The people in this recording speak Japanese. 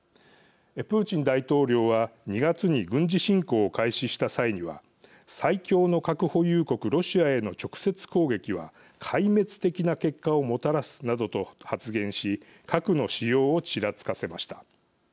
プーチン大統領は２月に軍事侵攻を開始した際には「最強の核保有国ロシアへの直接攻撃は壊滅的な結果をもたらす」などと発言し核の使用をちらつかせました。